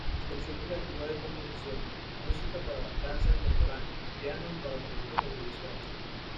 Su producción creativa de composiciones, música para danza contemporánea, piano y para proyectos audiovisuales.